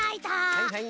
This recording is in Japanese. はいはい。